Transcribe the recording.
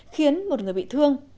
khiến một người bị thương